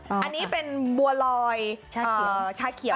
อันนี้เป็นบัวลอยชาเขียว